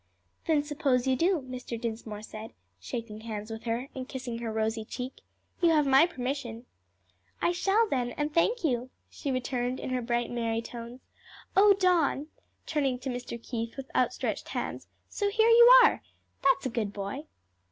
"Then suppose you do," Mr. Dinsmore said, shaking hands with her, and kissing her rosy cheek. "You have my permission." "I shall, then, and thank you," she returned in her bright merry tones. "O Don," turning to Mr. Keith with outstretched hands, "so here you are! that's a good boy."